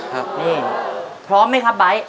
ครับนี่พร้อมไหมครับไบท์